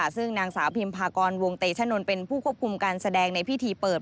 ซึ่งนางสาวพิมพากรวงเตชะนนท์เป็นผู้ควบคุมการแสดงในพิธีเปิด